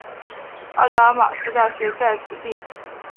阿达玛斯大学在此地。